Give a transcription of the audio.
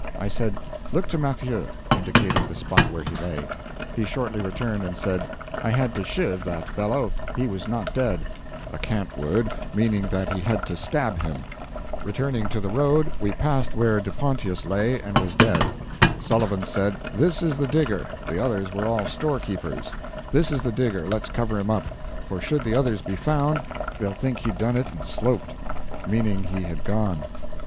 I said, 'Look to Mathieu,' indicating the spot where he lay. He shortly returned and said, 'I had to "chiv" that fellow, he was not dead,' a cant word, meaning that he had to stab him. Returning to the road we passed where De Pontius lay and was dead. Sullivan said, 'This is the digger, the others were all storekeepers; this is the digger, let's cover him up, for should the others be found, they'll think he done it and sloped,' meaning he had gone.